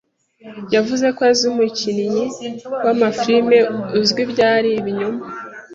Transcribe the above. Yavuze ko azi umukinnyi w'amafirime uzwi, byari ibinyoma.